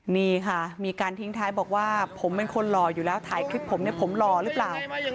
นี่ค่ะมีการทิ้งท้ายบอกว่าผมเป็นคนหล่ออยู่แล้วถ่ายคลิปผมเนี่ยผมหล่อหรือเปล่า